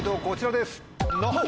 こちらです。